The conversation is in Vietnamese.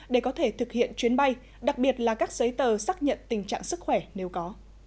để có thể thực hiện chuyến bay đặc biệt là các giấy tờ xác nhận tình trạng sức khỏe nếu có